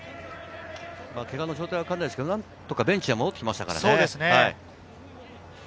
けがの状態がわからないですけれど、ベンチには戻ってきましたからね。